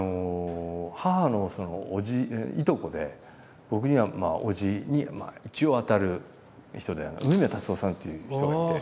母のおじいとこで僕にはおじに一応あたる人で梅宮辰夫さんっていう人がいて。